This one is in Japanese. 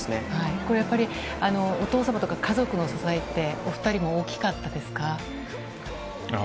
これやっぱり、お父様とか家族の支えって、お２人も大きかったですか。